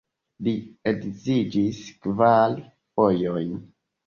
Li edziĝis kvar fojojn.